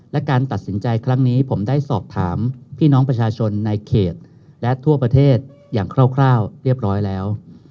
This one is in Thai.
และการตัดสินใจครั้งนี้ผมได้สอบถามพี่น้องประชาชนในเขตและทั่วประเทศอย่างคร่าวเรียบร้อยแล้ว